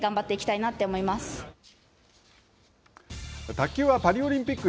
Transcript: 卓球はパリオリンピック